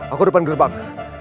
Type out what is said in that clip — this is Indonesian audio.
aku depan gerbang